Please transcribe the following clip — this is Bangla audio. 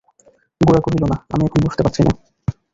গোরা কহিল, না, আমি এখন বসতে পারছি নে।